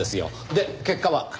で結果は？